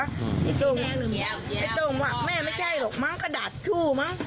ไอ้ส้มไอ้ส้มว่าแม่ไม่ใช่หรอกมั้งกระดาษชู่มั้ง